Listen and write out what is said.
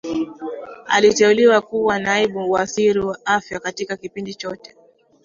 Aliteuliwa kuwa naibu waziri wa afya katika kipindi chote